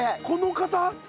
この方！？